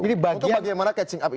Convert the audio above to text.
untuk bagaimana catching up itu